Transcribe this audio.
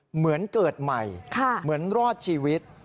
เหมือนเกิดใหม่เหมือนรอดชีวิต